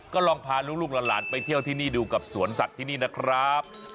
ก็ลองพาลูกหลานไปเที่ยวที่นี่ดูกับสวนสัตว์ที่นี่นะครับ